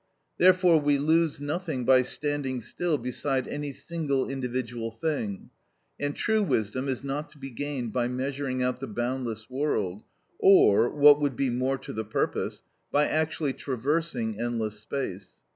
Therefore we lose nothing by standing still beside any single individual thing, and true wisdom is not to be gained by measuring out the boundless world, or, what would be more to the purpose, by actually traversing endless space.